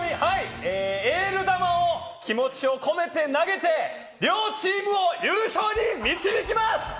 エール球を気持ちを込めて投げて、両チームを優勝に導きます！